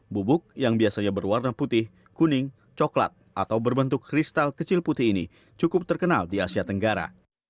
bubuk yang biasanya berwarna putih kuning coklat atau berbentuk kristal kecil putih ini cukup terkenal di asia tenggara